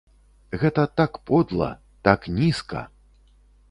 Гэта так подла, так нізка!